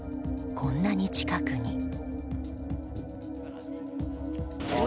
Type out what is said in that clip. こんなに近くに。